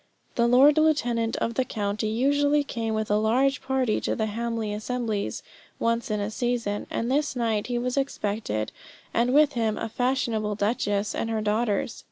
The lord lieutenant of the county usually came with a large party to the Hamley assemblies once in a season; and this night he was expected, and with him a fashionable duchess and her daughters.